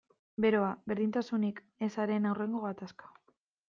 Beroa, berdintasunik ezaren hurrengo gatazka.